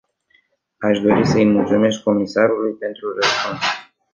Aș dori să îi mulțumesc comisarului pentru răspuns.